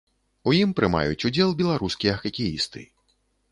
У ім прымаюць удзел беларускія хакеісты.